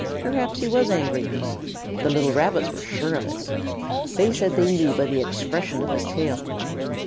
Perhaps he was angry. The little Rabbits were sure of it. They said they knew by the expression of his tail.